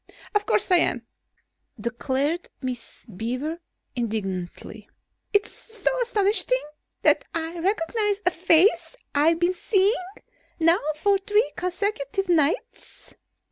"Of course I am," declared Miss Beaver indignantly. "Is it so astonishing that I recognize a face I've been seeing now for three consecutive nights?"